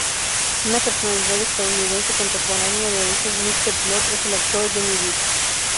Una personalidad estadounidense contemporánea de origen "mixed-blood" es el actor Johnny Depp.